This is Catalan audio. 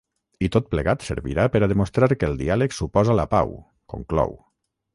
I tot plegat servirà per a demostrar que el diàleg suposa la pau, conclou.